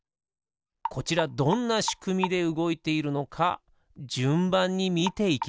こちらどんなしくみでうごいているのかじゅんばんにみていきましょう。